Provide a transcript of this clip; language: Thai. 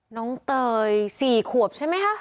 น้องเตย๔ขวบใช่ไหมคะ